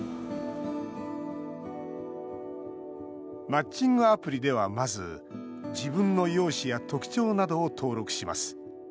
マッチングアプリでは、まず自分の容姿や特徴などを登録します。